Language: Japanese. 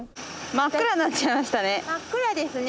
真っ暗になっちゃいましたね。